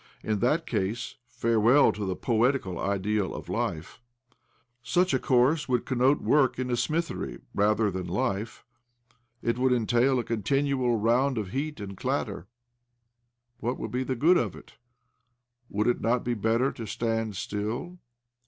In that case farewell to the poetic ideal of life I Such a course, would connote work in a smithery rather, than life : it would entail a continual round of heat and of clatter. What would be the good of it ? Would it not be better to stand still?